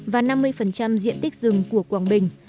và năm mươi diện tích rừng của quảng bình